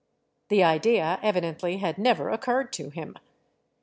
The idea evidently had never occurred to him.